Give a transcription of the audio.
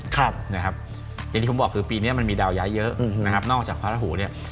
อย่างที่ผมบอกคือปีนี้มันมีดาวย้ายเยอะนะครับนอกจากพระราหูเนี่ย